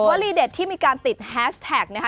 วลีเด็ดที่มีการติดแฮสแท็กนะคะ